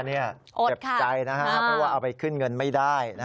เจ็บใจนะครับเพราะว่าเอาไปขึ้นเงินไม่ได้